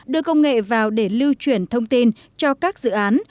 đưa công nghệ vào để lưu chuyển thông tin cho các dự án